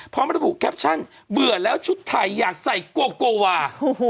พร้อมระบุแคปชั่นเบื่อแล้วชุดไทยอยากใส่โกโกวา